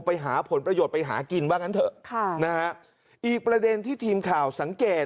ไปหาผลประโยชน์ไปหากินว่างั้นเถอะค่ะนะฮะอีกประเด็นที่ทีมข่าวสังเกต